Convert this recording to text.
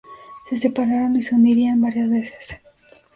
Se separaron y se unirían varias veces.